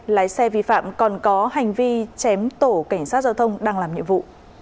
lái xe vi phạm còn có hành vi chém tổ cảnh sát giao thông đang làm nhiệm vụ